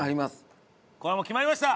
これはもう決まりました。